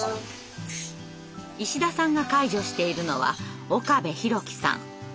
石田さんが介助しているのは岡部宏生さん。